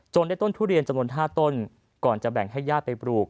ได้ต้นทุเรียนจำนวน๕ต้นก่อนจะแบ่งให้ญาติไปปลูก